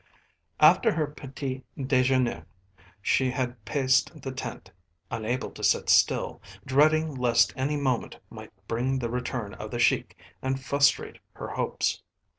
After her petit dejeuner she had paced the tent, unable to sit still, dreading lest any moment might bring the return of the Sheik and frustrate her hopes.